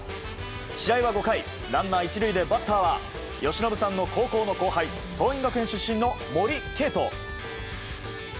試合は５回、ランナー１塁でバッターは由伸さんの高校の後輩桐蔭学園出身の森敬斗。